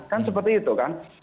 kan seperti itu kan